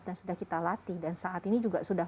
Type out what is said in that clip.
dan sudah kita latih dan saat ini juga sudah